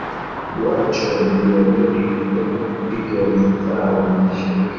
Wachu wadodi wadodi hupenda kupiga wenthao masheke